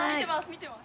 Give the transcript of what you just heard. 見てます。